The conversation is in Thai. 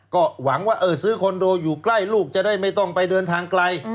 ก็หวังว่าซื้อคอนโดอยู่ใกล้ลูกจะได้ไม่ต้องไปเดินทางไกล